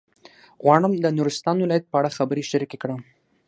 غواړم د نورستان ولایت په اړه خبرې شریکې کړم.